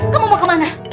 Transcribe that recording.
kamu mau kemana